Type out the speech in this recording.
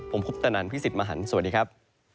ผมพุทธนันพี่สิทธิ์มหันฯสวัสดีครับ